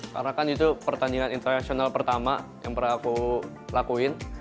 karena kan itu pertandingan internasional pertama yang pernah aku lakuin